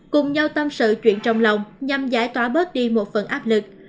cùng nhau tâm sự chuyện trong lòng nhằm giải tỏa bớt đi một phần áp lực